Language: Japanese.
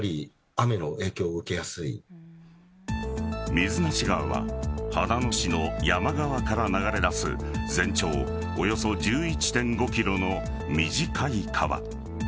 水無川は秦野市の山側から流れ出す全長およそ１１．５ｋｍの短い川。